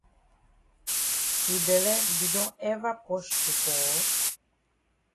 Yi bele be don ever posh before?